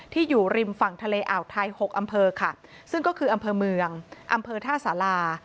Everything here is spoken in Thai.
อยู่ริมฝั่งทะเลอ่าวไทย๖อำเภอค่ะซึ่งก็คืออำเภอเมืองอำเภอท่าสารา